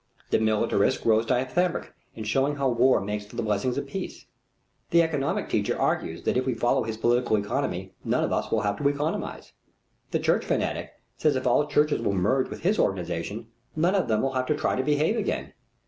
The militarist grows dithyrambic in showing how war makes for the blessings of peace. The economic teacher argues that if we follow his political economy, none of us will have to economize. The church fanatic says if all churches will merge with his organization, none of them will have to try to behave again.